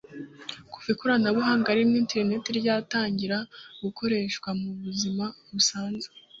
Kuva ikoranabuhanga ririmo interineti ryatangira gukoreshwa mu buzima busanzwe